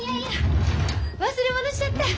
忘れ物しちゃった。